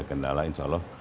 tidak ada ya insya allah